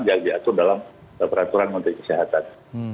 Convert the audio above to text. yang diatur dalam peraturan menteri kesehatan